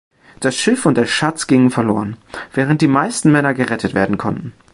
Das Schiff und der Schatz gingen verloren, während die meisten Männer gerettet werden konnten.